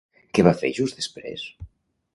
Què va fer just després?